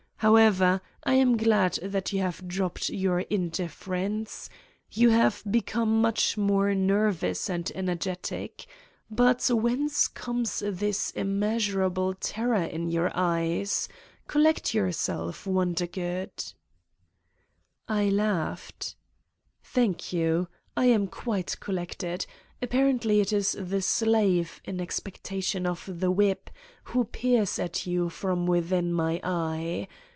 However, I am glad that you have dropped your indifference: you have become, much more nervous and ener getic. But whence comes this immeasurable ter 152 Satan's Diary ror in your eyesf Collect yourself, Wonder good I" I laughed. 6 i Thank you. I am quite collected. Apparently it is the slave, in expectation of the whip, who peers at you from within my eye.